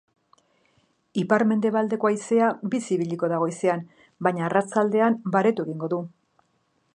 Ipar-mendebaldeko haizea bizi ibiliko da goizean, baina arratsaldean baretu egingo da.